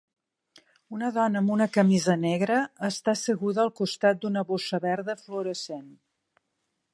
Una dona amb una camisa negra està asseguda al costat d'una bossa verda fluorescent.